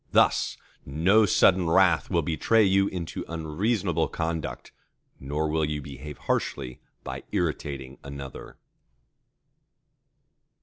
Thus no sudden wrath will betray you into unreasonable conduct, nor will you behave harshly by irritating another.